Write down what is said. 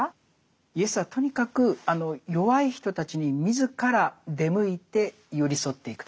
イエスはとにかく弱い人たちに自ら出向いて寄り添っていくと。